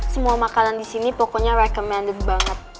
semua makanan disini pokoknya recommended banget